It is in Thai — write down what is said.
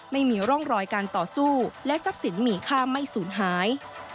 ไม่มีร่องรอยการต่อสู้และทรัพย์สินมีค่าไม่สูญหาย